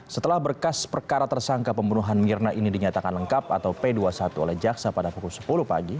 setelah berkas perkara tersangka pembunuhan mirna ini dinyatakan lengkap atau p dua puluh satu oleh jaksa pada pukul sepuluh pagi